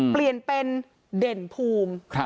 เปลี่ยนเป็นเด่นภูมิ